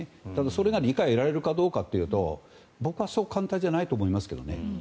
それが理解を得られるかどうかって言うと僕はそう簡単じゃないと思いますけどね。